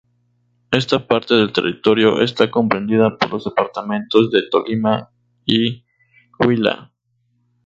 Esta parte de territorio está comprendida por los departamentos de Tolima y Huila.